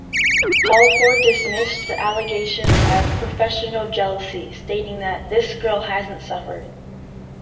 Holford dismissed the allegations as "professional jealousy", stating that "This girl hasn't suffered.